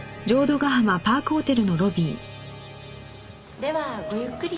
ではごゆっくり。